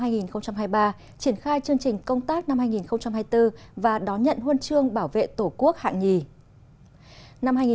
triển khai chương trình công tác năm hai nghìn hai mươi bốn và đón nhận huân chương bảo vệ tổ quốc hạng nhì